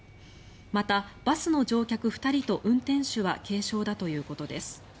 また、バスの乗客２人と運転手は軽傷だということです。